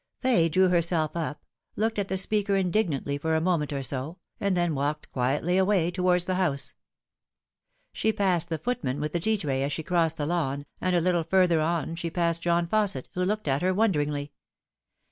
Fay drew herself up, looked at the speaker indignantly for a moment or so, and then walked quietly away towards the house. She passed the footman with the tea tray as she crossed the Uwn, and a little further on she passed John Fausset, who looked at her wonderingly.